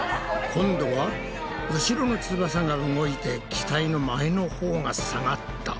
今度は後ろの翼が動いて機体の前のほうが下がった。